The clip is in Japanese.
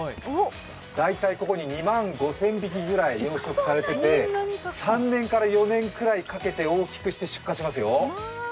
大体、ここに２万５０００匹ぐらい養殖されていて、３年から４年くらいかけて大きくして出荷しますよ。